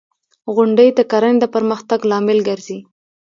• غونډۍ د کرنې د پرمختګ لامل ګرځي.